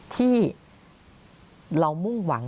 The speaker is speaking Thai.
ที่เรามุ่งหวัง